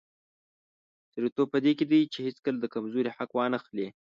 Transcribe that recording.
سړیتوب په دې کې دی چې هیڅکله د کمزوري حق وانخلي.